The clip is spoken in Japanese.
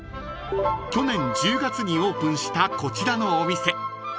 ［去年１０月にオープンしたこちらのお店］